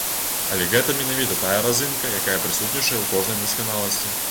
Але гэта менавіта тая разынка, якая прысутнічае ў кожнай дасканаласці.